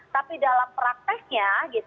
tapi dalam prakteknya